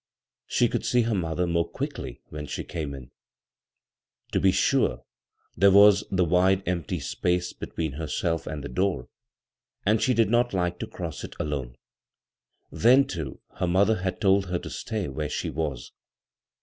She could see her mother more quickly when she came in. To be sure, there was the wide empty space be tween herself and the door, and she did not like to cross it alone ; then, too, her mother had told her to stay where she was.